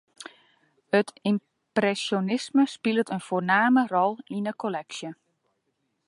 It ympresjonisme spilet in foarname rol yn 'e kolleksje.